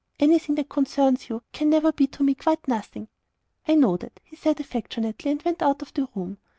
'" "Anything that concerns you can never be to me quite 'nothing.'" "I know that," he said, affectionately, and went out of the room.